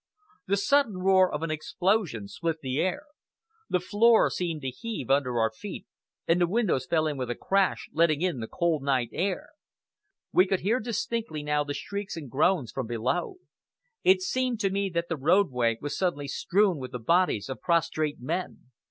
The sudden roar of an explosion split the air. The floor seemed to heave under our feet, and the windows fell in with a crash, letting in the cold night air. We could hear distinctly now the shrieks and groans from below. It seemed to me that the roadway was suddenly strewn with the bodies of prostrate men.